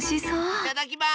いただきます！